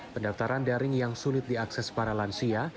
pendaftaran daring yang sulit diakses para lansia